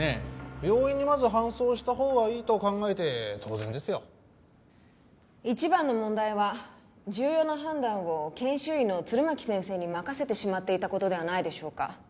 病院にまず搬送したほうがいいと考えて当然ですよ一番の問題は重要な判断を研修医の弦巻先生に任せてしまっていたことではないでしょうか